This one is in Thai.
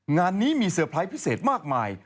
งานนี้มีเตอร์ไพรส์พิเศษมากมาย